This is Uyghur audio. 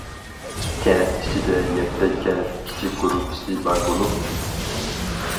كەنت ئىچىدە يەتتە كەنت كىچىك گۇرۇپپىسى بار بولۇپ.